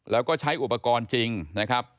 แล้วก็ใช้อุปกรณ์จริงนะครับ